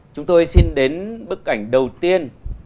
chúng tôi xin đến bức ảnh đầu tiên